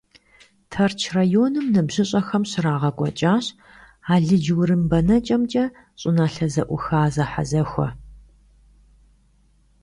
Тэрч районым ныбжьыщӀэхэм щрагъэкӀуэкӀащ алыдж-урым бэнэкӀэмкӀэ щӀыналъэ зэӀуха зэхьэзэхуэ.